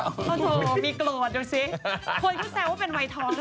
โอโธมีโกรธดูสิ